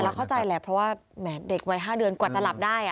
แต่เราเข้าใจแหละเพราะว่าเหมือนเด็กไว้๕เดือนกว่าจะหลับได้